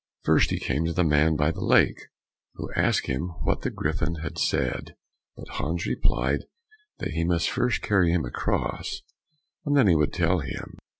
First he came to the man by the lake, who asked him what the Griffin had said, but Hans replied that he must first carry him across, and then he would tell him.